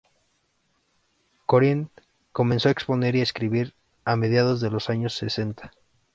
Corinne comenzó a exponer y a escribir a mediados de los años sesenta.